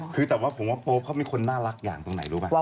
คือแต่ว่าผมว่าโป๊ปเขามีคนน่ารักอย่างตรงไหนรู้ป่ะ